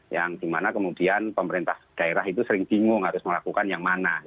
yang dimana kemudian pemerintah daerah itu sering bingung harus melakukan yang mana